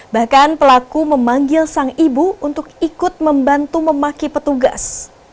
bahkan pelaku memanggil sang ibu untuk ikut membantu memaki petugas